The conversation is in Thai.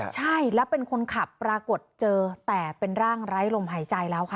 ใช่แล้วเป็นคนขับปรากฏเจอแต่เป็นร่างไร้ลมหายใจแล้วค่ะ